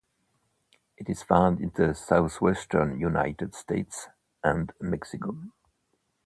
It is found in the southwestern United States and Mexico.